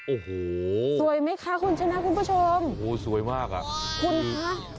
โอ้โหสวยไหมคะคุณชนะคุณผู้ชมโอ้สวยมากอ่ะคุณคะ